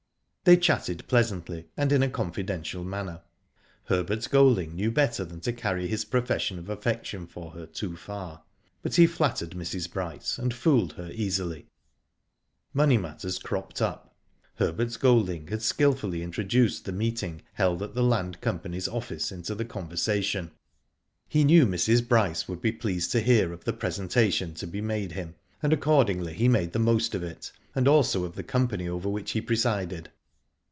They chatted pleasantly and in a confidential manner. Herbert Golding knew better than to carry his profession of affection for her too far, but he flattered Mrs. Bryce, and fooled her easily. Money matters cropped up. Herbert Golding had skilfully introduced the meeting held at the Land Company's office into the conversation. He knew Mrs. Bryce would be pleased to hear of the presentation to be made him, and accord ingly he made the most of it, and also of the company over which he presided.